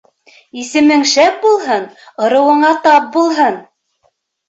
Исемең шәп булһын, ырыуыңа тап булһын